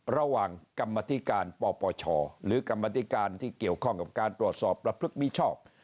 ระหว่างกรรมธิการปปชหรือกรรมธิการที่เกี่ยวข้องกับการตรวจสอบประพฤติมิชอบ